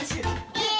イエーイ！